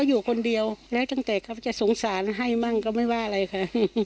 อยู่คนเดียวแล้วตั้งแต่เขาจะสงสารให้มั่งก็ไม่ว่าอะไรค่ะ